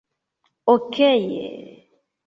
Okej...